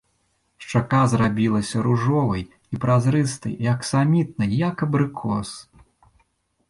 Шчака зрабілася ружовай, і празрыстай, і аксамітнай, як абрыкос.